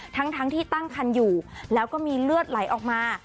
ทั้งที่ตั้งคันอยู่แล้วก็มีเลือดไหลออกมา